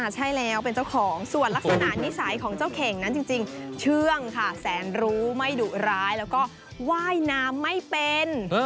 ใช่แล้วเป็นเจ้าของส่วนลักษณะนิสัยของเจ้าเข่งนั้นจริงเชื่องค่ะแสนรู้ไม่ดุร้ายแล้วก็ว่ายน้ำไม่เป็น